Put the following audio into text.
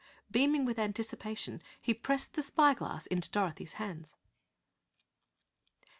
Beaming with anticipation, he pressed the spy glass into Dorothy's hands.